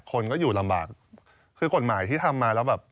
มันก็ต้องลองไปเป็นระบบกฎหมาย